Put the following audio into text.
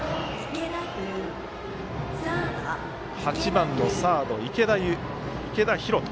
８番のサード、池田優斗。